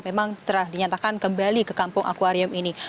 memang terdinyatakan kembali ke kampung akwarium ini